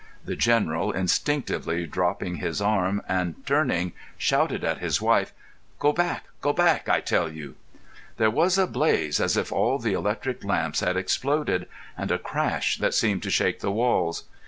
The General, instinctively dropping his arm and turning, shouted at his wife: "Go back! Go back, I tell you!" There was a blaze as if all the electric lamps had exploded, and a crash that seemed to shake the walls.